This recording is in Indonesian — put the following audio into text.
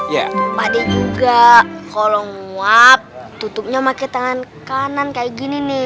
ya padi juga kalau muap tutupnya pakai tangan kanan kayak gini nih